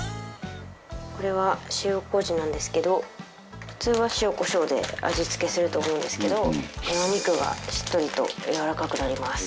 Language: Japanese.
これは塩麹なんですけど普通は塩コショウで味付けすると思うんですけどお肉がしっとりとやわらかくなります。